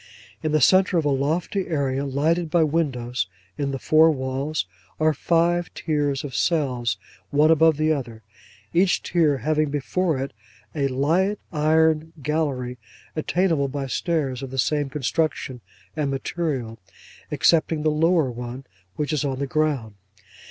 In the centre of a lofty area, lighted by windows in the four walls, are five tiers of cells, one above the other; each tier having before it a light iron gallery, attainable by stairs of the same construction and material: excepting the lower one, which is on the ground.